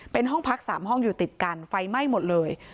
เป็นห้องพัก๓ห้องอยู่ติดกันไฟไหม้หมดเลย